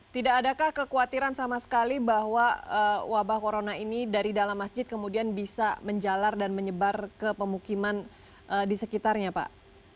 tidak adakah kekhawatiran sama sekali bahwa wabah corona ini dari dalam masjid kemudian bisa menjalar dan menyebar ke pemukiman di sekitarnya pak